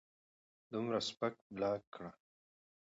دومره سپک بلاک کړۀ